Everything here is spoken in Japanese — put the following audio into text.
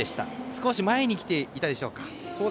少し前に来ていたでしょうか。